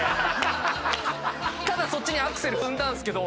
ただそっちにアクセル踏んだんですけど。